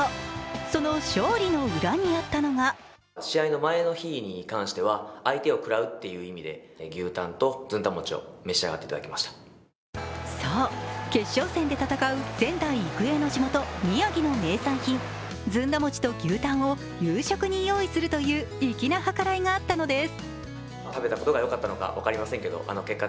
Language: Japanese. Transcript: その勝利の裏にあったのがそう、決勝戦で戦う仙台育英の地元宮城の名産品、ずんだ餅と牛タンを夕食に用意するという粋な計らいがあったのです。